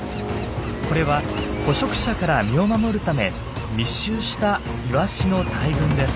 これは捕食者から身を守るため密集したイワシの大群です。